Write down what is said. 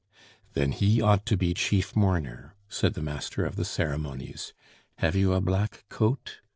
"Then he ought to be chief mourner," said the master of the ceremonies. "Have you a black coat?"